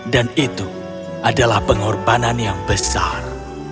dan itu adalah pengorbanan yang besar